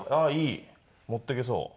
持っていけそう。